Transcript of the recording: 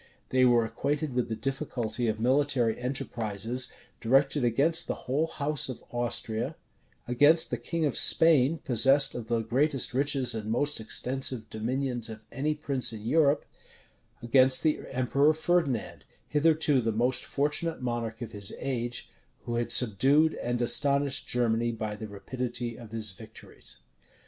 They were acquainted with the difficulty of military enterprises directed against the whole house of Austria; against the king of Spain, possessed of the greatest riches and most extensive dominions of any prince in Europe; against the emperor Ferdinand, hitherto the most fortunate monarch of his age, who had subdued and astonished Germany by the rapidity of his victories.